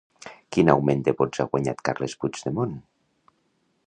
Quin augment de vots ha guanyat Carles Puigdemont?